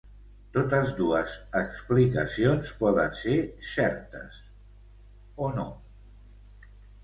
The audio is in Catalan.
Totes dues explicacions poden ser certes… o no.